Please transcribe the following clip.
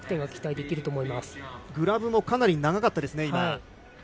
グラブもかなり長かったです。